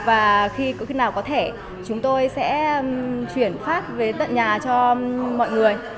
và khi nào có thẻ chúng tôi sẽ chuyển phát về tận nhà cho mọi người